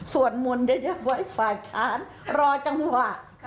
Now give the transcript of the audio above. ส่วนมนต์งี้ที่อยู่ไว้ฝ่ายค้านรอจังหวะ